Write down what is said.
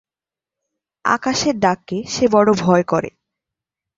আকাশের ডাককে সে বড় ভয় করে।